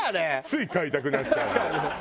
つい買いたくなっちゃう。